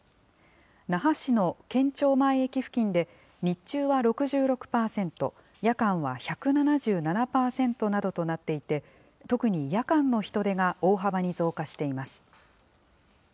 那覇市の県庁前駅付近で日中は６６％、夜間は１７７％などとなっていて、特に夜間の人出が大幅に増加しています。